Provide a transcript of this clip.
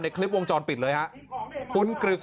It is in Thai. นั่นแหละครับ